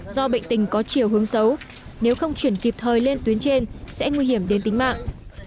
do bệnh tình có chiều hướng xấu nếu không chuyển kịp thời lên tuyến trên sẽ nguy hiểm đến tính mạng